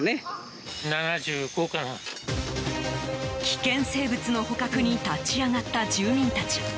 危険生物の捕獲に立ち上がった住民たち。